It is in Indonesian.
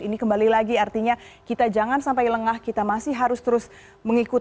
ini kembali lagi artinya kita jangan sampai lengah kita masih harus terus mengikuti